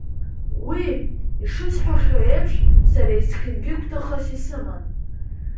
Уи, ишысҳәахьоу еиԥш, сара есқьынгьы гәҭыхас исыман.